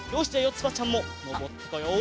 つばちゃんものぼってこよう。